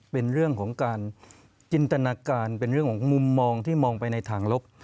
เป็นเรื่องของการจินตนาการเป็นเรื่องของมุมมองที่มองไปในทางลบ